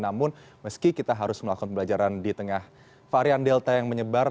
namun meski kita harus melakukan pembelajaran di tengah varian delta yang menyebar